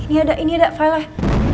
ini ada ini ada file